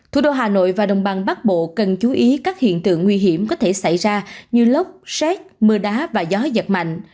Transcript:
thủ đô hà nội và đồng bằng bắc bộ cần chú ý các hiện tượng nguy hiểm có thể xảy ra như lốc xét mưa đá và gió giật mạnh